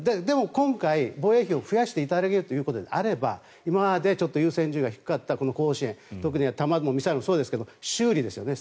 今回、防衛費を増やしていただけるというのであれば今まで優先順位が低かった後方支援弾もミサイルもそうですが修理ですね。